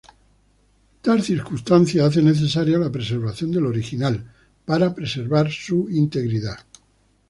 Tal circunstancia hace necesaria la preservación del "original" para preservar su integridad.